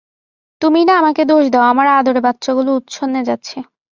তুমিই না আমাকে দোষ দাও আমার আদরে বাচ্চাগুলো উচ্ছন্নে যাচ্ছে।